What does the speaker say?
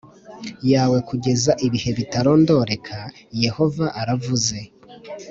Yawe Kugeza Ibihe Bitarondoreka Yehova Aravuze